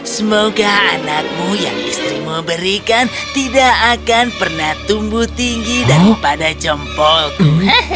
semoga anakmu yang istrimu berikan tidak akan pernah tumbuh tinggi daripada jempolku